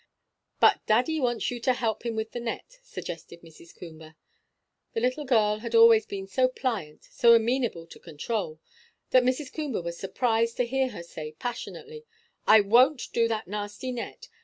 "But daddy wants you to help him with the net," suggested Mrs. Coomber. The little girl had always been so pliant, so amenable to control, that Mrs. Coomber was surprised to hear her say passionately "I won't do that nasty net.